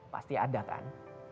pasti ada kan